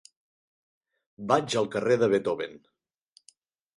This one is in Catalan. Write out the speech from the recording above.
Vaig al carrer de Beethoven.